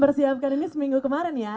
persiapkan ini seminggu kemarin ya